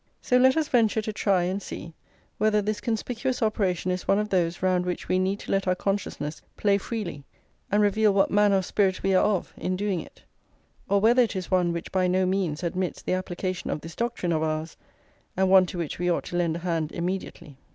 So let us venture to try and see whether this conspicuous operation is one of those round which we need to let our consciousness play freely and reveal what manner of spirit we are of in doing it; or whether it is one which by no means admits the application of this doctrine of ours, and one to which we ought to lend a hand immediately.